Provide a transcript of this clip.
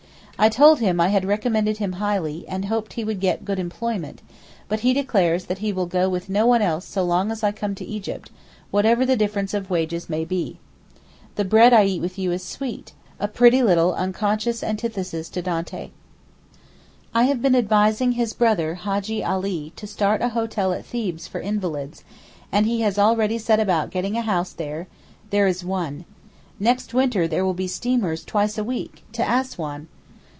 I told him I had recommended him highly, and hoped he would get good employment; but he declares that he will go with no one else so long as I come to Egypt, whatever the difference of wages may be. 'The bread I eat with you is sweet'—a pretty little unconscious antithesis to Dante. I have been advising his brother Hajjee Ali to start a hotel at Thebes for invalids, and he has already set about getting a house there; there is one. Next winter there will be steamers twice a week—to Assouan!